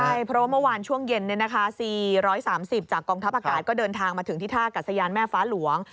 ใช่เพราะว่าเมื่อวานช่วงเย็น๔๓๐จากกองทัพอากาศก็เดินทางมาถึงที่ท่ากัศยานแม่ฟ้าหลวง